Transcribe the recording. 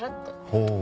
ほう。